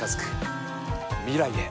未来へ。